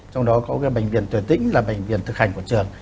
trong đó có bệnh viện tuyển tĩnh là bệnh viện thực hành của trường